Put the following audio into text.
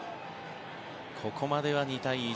ここまでは２対１。